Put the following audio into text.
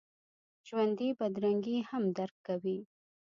ژوندي بدرنګي هم درک کوي